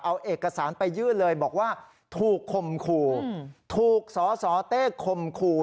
เอาเอกสารไปยื่นเลยบอกว่าถูกคมขู่ถูกสสเต้คมคู่